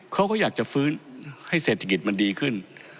เขาก็อยากจะฟื้นให้เศรษฐกิจมันดีขึ้น